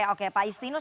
oke pak istinus